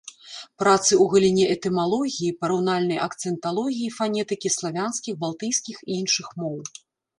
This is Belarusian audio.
Працы ў галіне этымалогіі, параўнальнай акцэнталогіі і фанетыкі славянскіх, балтыйскіх і іншых моў.